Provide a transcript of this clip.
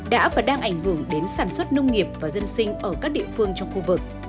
đã và đang ảnh hưởng đến sản xuất nông nghiệp và dân sinh ở các địa phương trong khu vực